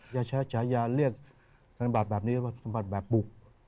อย่าใช้เฉยอย่าเรียกธนบัตรแบบนี้ว่าธนบัตรแบบบุก